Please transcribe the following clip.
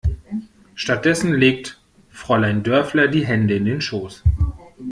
Stattdessen legt Fräulein Dörfler die Hände in den Schoß.